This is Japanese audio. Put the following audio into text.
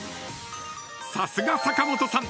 ［さすが坂本さん！］